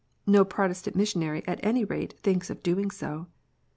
No Protestant missionary at any rate thinks of doing so.